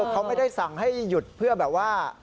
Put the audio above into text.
เขาไม่ได้สั่งให้หยุดเพื่อแบบว่า